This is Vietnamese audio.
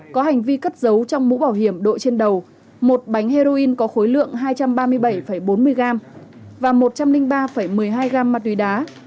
có hành vi cất giấu trong mũ bảo hiểm độ trên đầu một bánh heroin có khối lượng hai trăm ba mươi bảy bốn mươi gram và một trăm linh ba một mươi hai gram ma túy đá